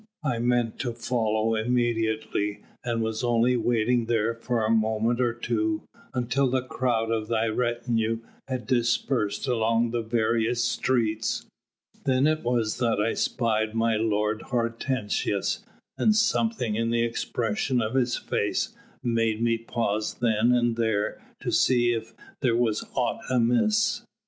I meant to follow immediately, and was only waiting there for a moment or two until the crowd of thy retinue had dispersed along the various streets. Then it was that I spied my lord Hortensius, and something in the expression of his face made me pause then and there to see if there was aught amiss."